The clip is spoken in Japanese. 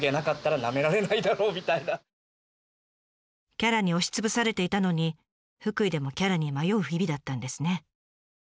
キャラに押しつぶされていたのに福井でもキャラに迷う日々だったんですね。